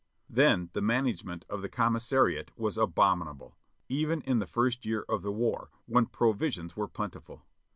Then the management of the commissariat was abominable, even in the first year of the war. when provisions were plentiful.